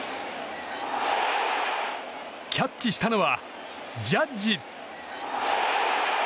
キャッチしたのは、ジャッジ！